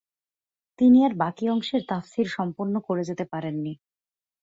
তিনি আর বাকী অংশের তাফসির সম্পন্ন করে যেতে পারেননি ।